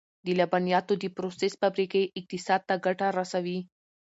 د لبنیاتو د پروسس فابریکې اقتصاد ته ګټه رسوي.